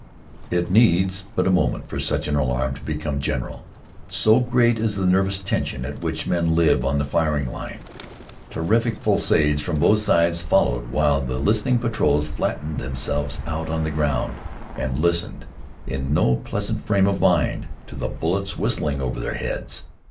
It needs but a moment for such an alarm to become general, so great is the nervous tension at which men live on the firing line. Terrific fusillades from both sides followed while the listening patrols flattened themselves out on the ground, and listened, in no pleasant frame of mind, to the bullets whistling over their heads.